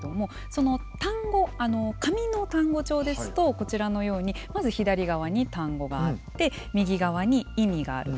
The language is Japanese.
その単語紙の単語帳ですとこちらのようにまず左側に単語があって右側に意味がある。